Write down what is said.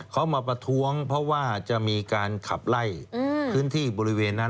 เขามาประท้วงเพราะว่าจะมีการขับไล่พื้นที่บริเวณนั้น